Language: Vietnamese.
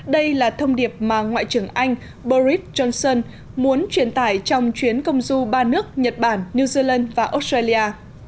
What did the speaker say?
đây là thông điệp mà ngoại trưởng anh boris johnson muốn truyền tải trong chuyến công du ba nước nhật bản new zealand và australia